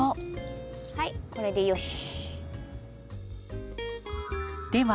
はいこれでよし。